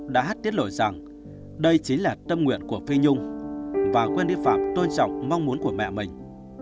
đã tiết lộ rằng đây chính là tâm nguyện của phi nhung và wendy phạm tôn trọng mong muốn của mẹ mình